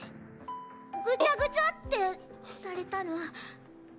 ぐちゃぐちゃってされたの。